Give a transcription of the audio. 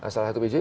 salah satu bg